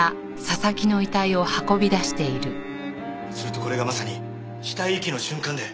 するとこれがまさに死体遺棄の瞬間で。